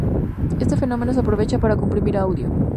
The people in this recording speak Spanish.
Este fenómeno se aprovecha para comprimir audio.